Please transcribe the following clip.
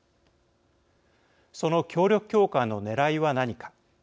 その協力強化のねらいは何か。